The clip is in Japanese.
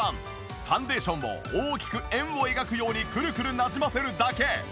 ファンデーションを大きく円を描くようにくるくるなじませるだけ！